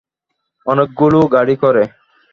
অনেকগুলো গাড়ি করে।